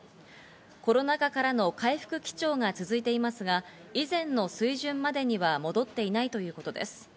コロナ禍からの回復基調が続いていますが、以前の水準までには戻っていないということです。